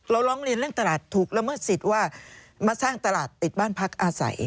ร้องเรียนเรื่องตลาดถูกละเมิดสิทธิ์ว่ามาสร้างตลาดติดบ้านพักอาศัย